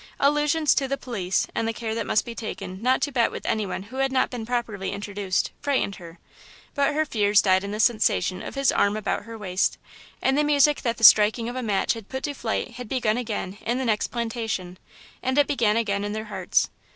Allusions to the police, and the care that must be taken not to bet with anyone who had not been properly introduced, frightened her; but her fears died in the sensation of his arm about her waist, and the music that the striking of a match had put to flight had begun again in the next plantation, and it began again in their hearts.